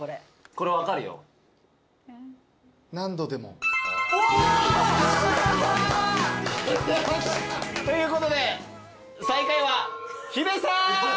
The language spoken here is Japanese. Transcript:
これ分かるよ。ということで最下位はヒデさん！